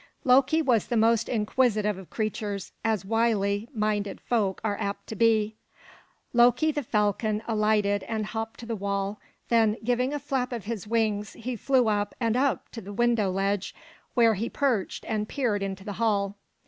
Loki was the most inquisitive of creatures, as wily minded folk are apt to be. Loki the falcon alighted and hopped to the wall, then giving a flap of his wings he flew up and up to the window ledge, where he perched and peered into the hall.